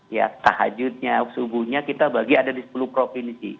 ya tahajudnya subuhnya kita bagi ada di sepuluh provinsi